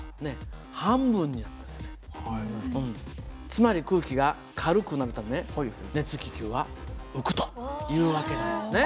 つまり空気が軽くなるため熱気球は浮くという訳なんですね。